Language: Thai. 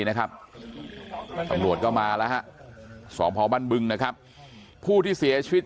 นะครับตำรวจก็มาแล้วฮะสพบ้านบึงนะครับผู้ที่เสียชีวิต